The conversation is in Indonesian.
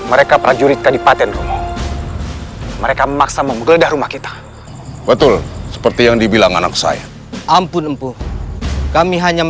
aku tidak percaya